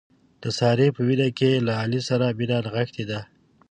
د سارې په وینه کې له علي سره مینه نغښتې ده.